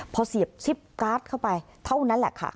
พอเสียบซิปการ์ดเข้าไปเท่านั้นแหละค่ะ